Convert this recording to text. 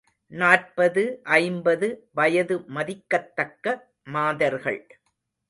நாற்பது, ஐம்பது வயது மதிக்கத்தக்க மாதர்கள்.